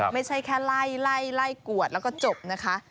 ไม่ใช่แค่ไล่ไล่กวดแล้วก็จบนะคะ